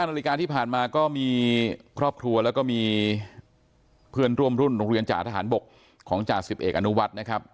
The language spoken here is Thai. นาฬิกาที่ผ่านมาก็มีครอบครัวแล้วก็มีเพื่อนร่วมรุ่นโรงเรียนจ่าทหารบกของจ่าสิบเอกอนุวัฒน์นะครับ